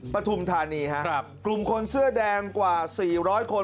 ประธุมธานีกลุ่มคนเสื้อแดงกว่า๔๐๐คน